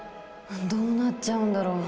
どうなっちゃうんだろう。